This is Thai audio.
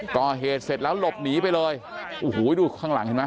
ก่อเหตุเสร็จแล้วหลบหนีไปเลยโอ้โหดูข้างหลังเห็นไหม